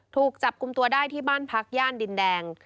ถูกจับกลุ่มตัวได้ที่บ้านพักย่านดินแดง